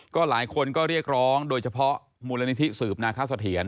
ก็หลายคนก็เรียกร้องโดยเฉพาะมูลนิธิสืบนาคสะเทียน